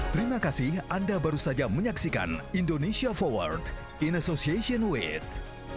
terima kasih anda baru saja menyaksikan indonesia forward in association with